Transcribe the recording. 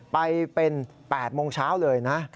ไปเป็น๘โมงเช้าเลยนะ